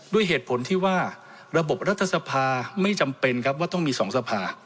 ด้วยเหตุผลที่ว่าระบบรัฐสภาไม่จำเป็นครับว่าต้องมี๒สภา